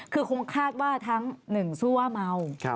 คือคงคาดว่าทั้ง๑สู้ว่าเมา